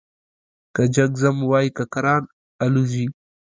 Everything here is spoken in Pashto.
که جگ ځم وايي کرکان الوزوې ،